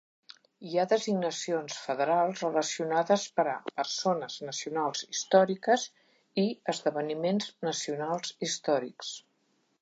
Hi ha designacions federals relacionades per a "Persones nacionals històriques" i "Esdeveniments nacionals històrics".